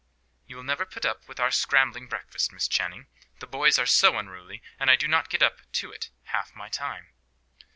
"You will never put up with our scrambling breakfast, Miss Channing. The boys are so unruly; and I do not get up to it half my time."